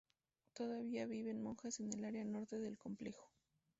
Todavía viven monjas en el área norte del complejo.